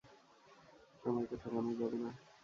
সময়কে ফেরানো যাবে না।